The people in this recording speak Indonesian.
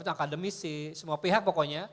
akademisi semua pihak pokoknya